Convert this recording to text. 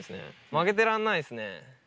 負けてらんないですね。